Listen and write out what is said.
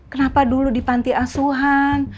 kenapa dulu dipanti asuhan